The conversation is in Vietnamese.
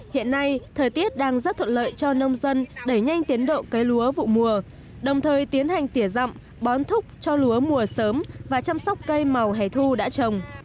hiện nay thời tiết đang rất thuận lợi cho nông dân đẩy nhanh tiến độ cây lúa vụ mùa đồng thời tiến hành tỉa rậm bón thúc cho lúa mùa sớm và chăm sóc cây màu hẻ thu đã trồng